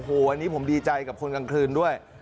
โอ้โหอันนี้ผมดีใจกับคนกลางคืนด้วย